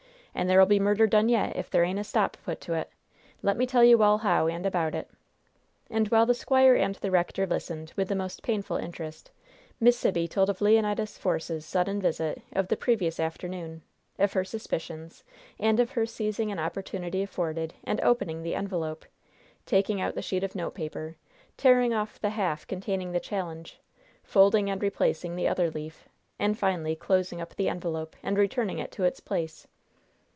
And there'll be murder done yet if there ain't a stop put to it! Let me tell you all how and about it." And, while the squire and the rector listened, with the most painful interest, Miss Sibby told of Leonidas Force's sudden visit of the previous afternoon, of her suspicions, and of her seizing an opportunity afforded and opening the envelope, taking out the sheet of note paper, tearing off the half containing the challenge, folding and replacing the other leaf, and finally closing up the envelope, and returning it to its place.